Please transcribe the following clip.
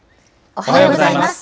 おはようございます。